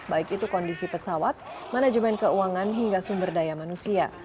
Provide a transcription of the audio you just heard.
baik itu kondisi pesawat manajemen keuangan hingga sumber daya manusia